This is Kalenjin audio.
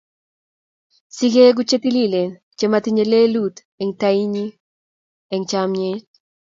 Si keegu che tililen che matinyei lelut eng' tainnyi eng' chamnyet.